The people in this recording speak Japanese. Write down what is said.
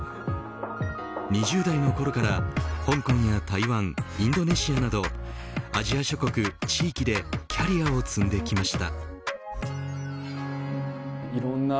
２０代のころから香港や台湾、インドネシアなどアジア諸国、地域でキャリアを積んできました。